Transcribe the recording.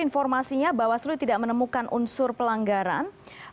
informasinya bahwa seluruh tidak menemukan unsur pelanggaran